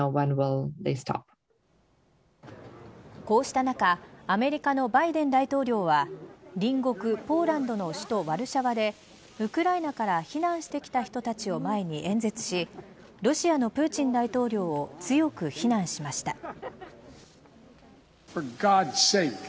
こうした中アメリカのバイデン大統領は隣国ポーランドの首都ワルシャワでウクライナから避難してきた人たちを前に演説しロシアのプーチン大統領を強く非難しました。